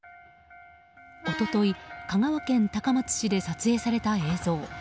一昨日、香川県高松市で撮影された映像。